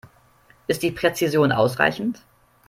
Ist die Präzision ausreichend?